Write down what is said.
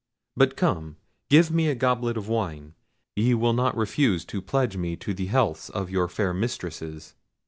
But come, give me a goblet of wine; ye will not refuse to pledge me to the healths of your fair mistresses."